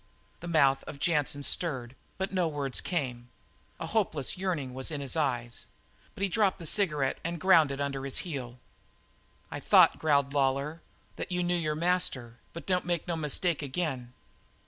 The mouth of Jansen stirred, but no words came. A hopeless yearning was in his eyes. But he dropped the cigarette and ground it under his heel. "I thought," growled Lawlor, "that you knew your master, but don't make no mistake again.